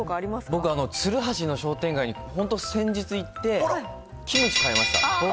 僕、つるはしの商店街に本当先日行って、キムチ買いました。